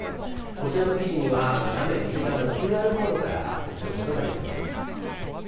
こちらの記事には画面右側のＱＲコードからアクセスすることができます。